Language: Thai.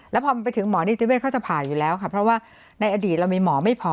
แล้วพอไปถึงหมอนิติเวศเขาจะผ่าอยู่แล้วค่ะเพราะว่าในอดีตเรามีหมอไม่พอ